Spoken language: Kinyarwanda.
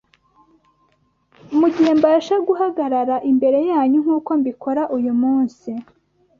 mu gihe mbasha guhagarara imbere yanyu nk’uko mbikora uyu munsi?